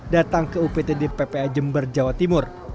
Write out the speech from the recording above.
datang ke uptd ppa jember jawa timur